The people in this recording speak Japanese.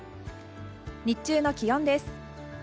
日中の気温です。